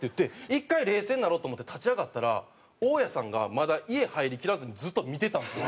一回冷静になろうと思って立ち上がったら大家さんがまだ家入りきらずにずっと見てたんですよ。